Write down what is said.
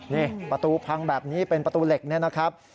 นี่ประตูพังแบบนี้เป็นประตูเหล็กนี่นะครับ